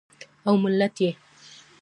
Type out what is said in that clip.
او ملت یې